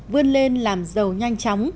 vươn lên làm giàu nhanh